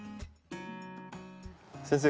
先生。